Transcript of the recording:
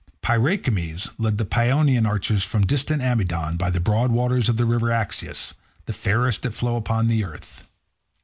Pyraechmes led the Paeonian archers from distant Amydon, by the broad waters of the river Axius, the fairest that flow upon the earth.